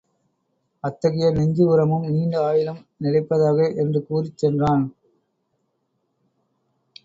அத்தகைய நெஞ்சு உரமும் நீண்ட ஆயுளும் நிலைப்பதாக என்று கூறிச் சென்றான்.